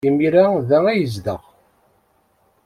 Imir-a, da ay yezdeɣ.